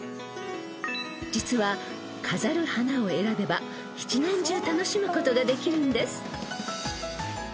［実は飾る花を選べば１年中楽しむことができるんです］